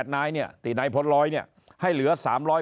นายเนี่ยตีนายพล๑๐๐เนี่ยให้เหลือ๓๘๔